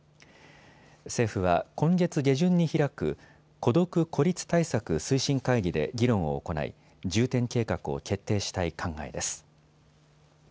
政府は今月下旬に開く孤独・孤立対策推進会議で議論を行い重点計画を決定したい考えです。